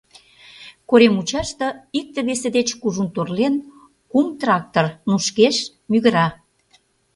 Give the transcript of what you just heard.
Корем мучаште, икте-весе деч кужун торлен, кум трактор нушкеш, мӱгыра.